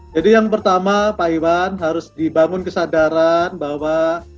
jadi yang pertama pak iwan harus dibangun kesadaran bahwa